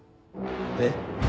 えっ？